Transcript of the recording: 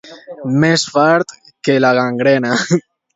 Més fart que la gangrena.